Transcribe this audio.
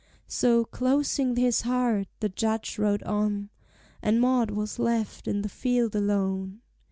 So, closing his heart, the Judge rode on, And Maud was left in the field alone.